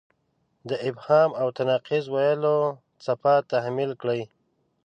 د ابهام او تناقض ویلو څپه تحمیل کړې.